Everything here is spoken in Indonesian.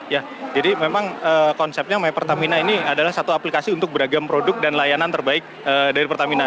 ya jadi memang konsepnya my pertamina ini adalah satu aplikasi untuk beragam produk dan layanan terbaik dari pertamina